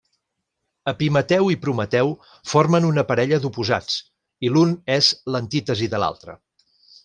Epimeteu i Prometeu formen una parella d'oposats, i l'un és l'antítesi de l'altre.